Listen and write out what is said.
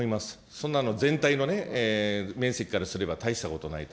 そんなの全体の面積からすれば大したことないと。